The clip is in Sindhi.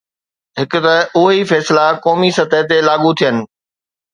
هڪ ته اهي ئي فيصلا قومي سطح تي لاڳو ٿين.